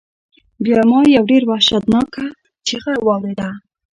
بیا ما یو ډیر وحشتناک چیغہ واوریده.